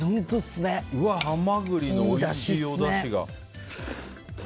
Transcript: うわ、ハマグリの優しいおだしが。